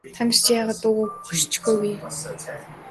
Та нар чинь яагаад дуугүй хөшчихөө вэ?